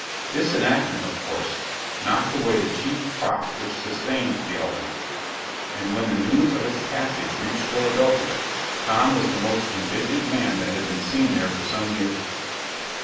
This enactment, of course, knocked away the chief prop which sustained the Alderman, and when the news of its passage reached Philadelphia, Tom was the most indignant man that had been seen there for some years.